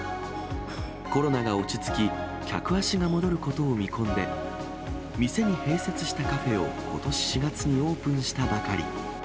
コロナが落ち着き、客足が戻ることを見込んで、店に併設したカフェをことし４月にオープンしたばかり。